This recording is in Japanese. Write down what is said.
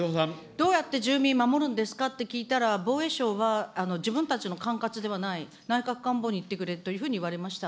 どうやって住民守るんですかって聞いたら、防衛省は自分たちの管轄ではない、内閣官房に言ってくれというふうに言われました。